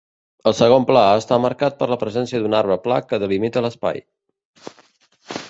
El segon pla està marcat per la presència d'un arbre pla que delimita l'espai.